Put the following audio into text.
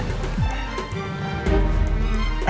apa yang maksud kamu